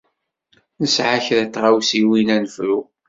Nesɛa kra n tɣawsiwin ara nefru.